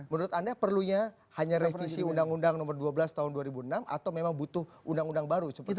menurut anda perlunya hanya revisi undang undang nomor dua belas tahun dua ribu enam atau memang butuh undang undang baru seperti itu